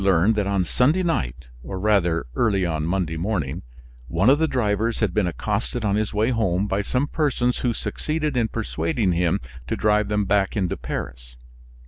Here he learned that on Sunday night, or rather, early on Monday morning, one of the drivers had been accosted on his way home by some persons who succeeded in persuading him to drive them back into Paris.